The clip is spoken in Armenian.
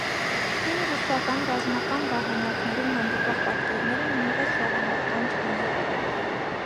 Հին ռուսական ռազմական վահանակներում հանդիպող պատկերները նույնպես ժառանգական չեն եղել։